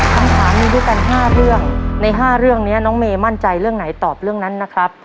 คำถามมีด้วยกัน๕เรื่องใน๕เรื่องนี้น้องเมย์มั่นใจเรื่องไหนตอบเรื่องนั้นนะครับ